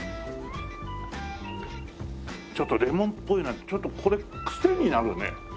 ちょっとレモンっぽいちょっとこれクセになるね。